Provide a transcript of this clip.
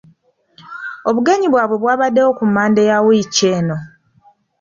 Obugenyi bwabwe bwabaddewo ku Mmande ya wiiki eno.